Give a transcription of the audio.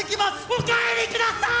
お帰りください！